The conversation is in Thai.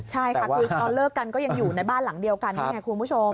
ใช่ค่ะคือตอนเลิกกันก็ยังอยู่ในบ้านหลังเดียวกันนี่ไงคุณผู้ชม